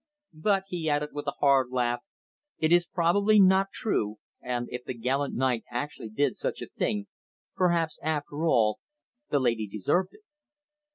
But," he added with a hard laugh, "it is most probably not true, and if the gallant knight actually did such a thing, perhaps, after all, the lady deserved it!"